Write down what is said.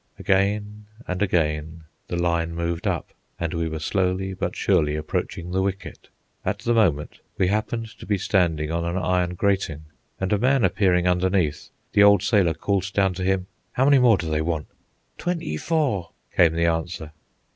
Again and again the line moved up, and we were slowly but surely approaching the wicket. At the moment we happened to be standing on an iron grating, and a man appearing underneath, the old sailor called down to him,— "How many more do they want?" "Twenty four," came the answer.